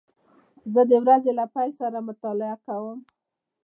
زه د ورځې له پیل سره مطالعه کوم.